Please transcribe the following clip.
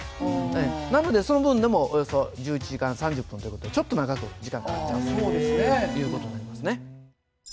なのでその分でもおよそ１１時間３０分という事でちょっと長く時間かかっちゃうという事になりますね。